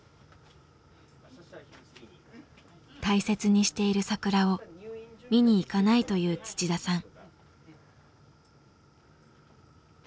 大切にしている桜を見に行かないと言う土田さん。